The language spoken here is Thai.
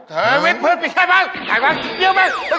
เธอรวยพื้นปิดใกล้บังที่นุ่มไปใช่